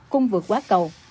cung vượt quá cầu